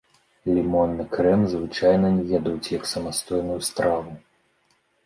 Лімонны крэм звычайна не ядуць як самастойную страву.